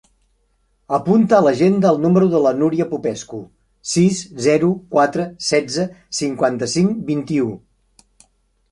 Apunta a l'agenda el número de la Núria Popescu: sis, zero, quatre, setze, cinquanta-cinc, vint-i-u.